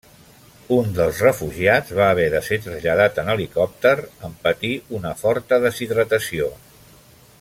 Un dels refugiats va haver de ser traslladat en helicòpter en patir una forta deshidratació.